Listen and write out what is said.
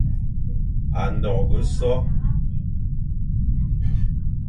A ndôghe so,